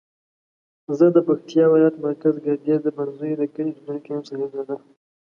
زه د پکتیاولایت مرکز ګردیز د بنزیو دکلی اوسیدونکی یم صاحب زاده